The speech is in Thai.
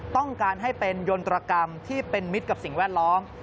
ต้องการให้เป็นยนตรกรรมที่เป็นมิตรกับสิ่งแวดล้อม